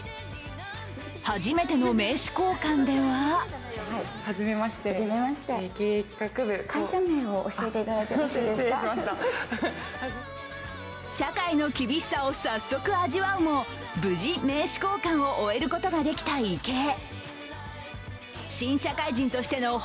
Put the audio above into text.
初めての名刺交換では社会の厳しさを早速味わうも無事、名刺交換を終えることができた池江。